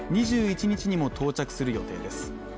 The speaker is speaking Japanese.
２１日にも到着する予定です。